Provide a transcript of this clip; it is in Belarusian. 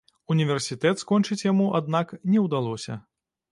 Універсітэт скончыць яму, аднак, не ўдалося.